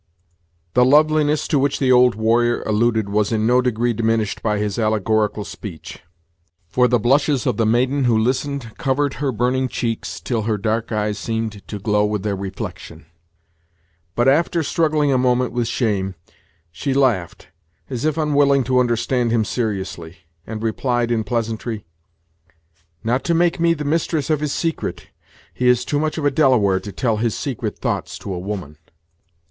The loveliness to which the old warrior alluded was in no degree diminished by his allegorical speech; for the blushes of the maiden who listened covered her burning cheeks till her dark eyes seemed to glow with their reflection; but, after struggling a moment with shame, she laughed, as if unwilling to understand him seriously, and replied in pleasantry: "Not to make me the mistress of his secret. He is too much of a Delaware to tell his secret thoughts to a woman."